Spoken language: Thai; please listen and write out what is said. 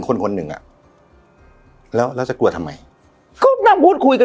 คนหนึ่งอ่ะแล้วแล้วจะกลัวทำไมก็นั่งพูดคุยกัน